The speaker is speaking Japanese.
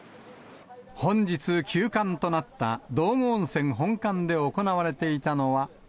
本日休館となった道後温泉本館で行われていたのは。